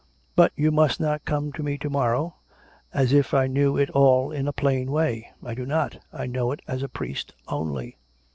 But you must not come to me to mor row, as if I knew it all in a plain way. I do not. I know it as a priest only."